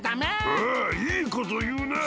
おいいこというなあ。